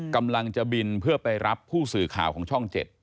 กำลังจะบินเพื่อไปรับผู้สื่อข่าวของช่อง๗